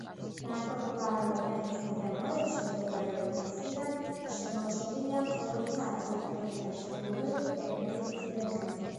ნასოფლარ მეტეხის მიდამოებში მდებარე ეკლესიიდან შემორჩენილია მხოლოდ საძირკველი და ჩრდილოეთი კედლის მცირე ნაწილი.